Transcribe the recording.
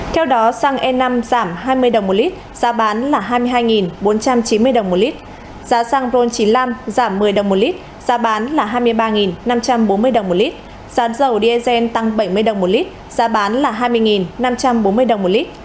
theo đó xăng e năm giảm hai mươi đồng một lít giá bán là hai mươi hai bốn trăm chín mươi đồng một lít giá xăng ron chín mươi năm giảm một mươi đồng một lít giá bán là hai mươi ba năm trăm bốn mươi đồng một lít giá dầu diesel tăng bảy mươi đồng một lít giá bán là hai mươi năm trăm bốn mươi đồng một lít